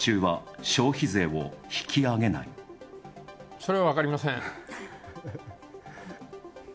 それは分かりません。